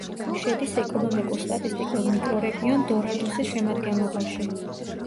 შედის ეკონომიკურ-სტატისტიკურ მიკრორეგიონ დორადუსის შემადგენლობაში.